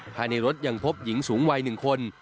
ภายในรถยังพบหญิงสูงวัย๑คน